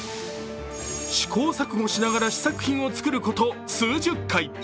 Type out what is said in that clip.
試行錯誤しながら試作品を作ること数十回。